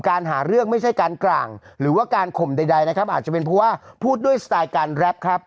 หาเรื่องไม่ใช่การกร่างหรือว่าการข่มใดนะครับอาจจะเป็นเพราะว่าพูดด้วยสไตล์การแรปครับ